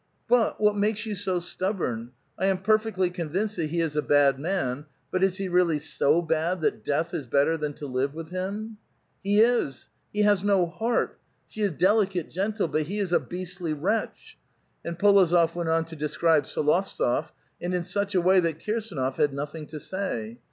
'*• But what makes you so stubborn? I am perfectly con vinced that he is a bad man ; but is he really so bad that death is better than to live with him ?"" He is ; he has no heart. She is delicate, gentle, but he is a beastlv wretch !" And P61ozof went on to describe S61ovtsof, and in such a way that Kirsduof had nothing to say.